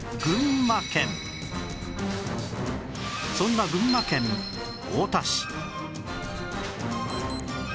そんな群馬県太田市